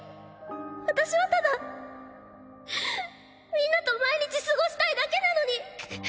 私はただ、皆と毎日過ごしたいだけなのに！